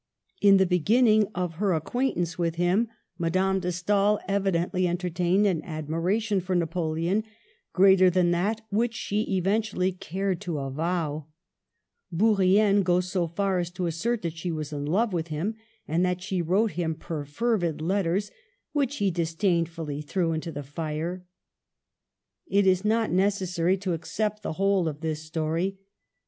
In the beginning of her acquaintance with him Madame Digitized by VjOOQLC MEETS NAPOLEON. 95 de Stael evidently entertained an admiration for Napoleon greater than that which she eventually cared to avow. Bourrienne goes so far as to assert that she was in love with him, and that she wrote him perfervid letters, which he dis dainfully threw into the fire. It is not necessary to accept the whole of this story.